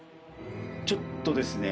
ちょっとですね。